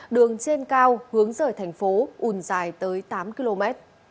đường trên cao hướng rời thành phố un dài tới tám km